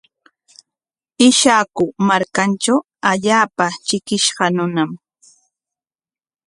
Ishaku markantraw allaapa trikishqa runam.